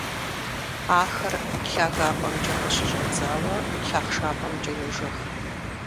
Ахэр лъагапӀэмкӀэ къыщыщӀэдзауэ лъахъшапӀэмкӀэ йожэх.